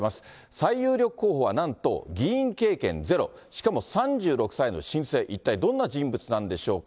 最有力候補はなんと議員経験ゼロ、しかも３６歳の新星、一体どんな人物なんでしょうか。